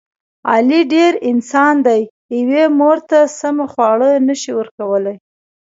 علي ډېر..... انسان دی. یوې مور ته سمه خواړه نشي ورکولی.